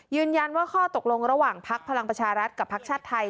ข้อตกลงระหว่างพักพลังประชารัฐกับพักชาติไทย